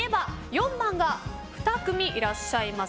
４番が２組いらっしゃいます。